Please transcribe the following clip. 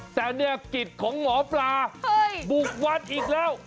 แต่เนี่ยกิจของหมอปลาบุกวัดอีกแล้ว